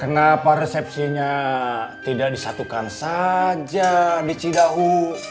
kenapa resepsinya tidak disatukan saja di cidahu